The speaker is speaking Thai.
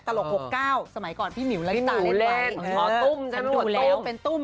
ตลก๖๙สมัยก่อนพี่หมิวเล่นต่อเล่นไปพอตุ้มจะไม่มีบทตุ้ม